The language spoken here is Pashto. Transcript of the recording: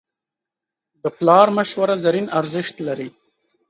د پلار مشوره زرین ارزښت لري.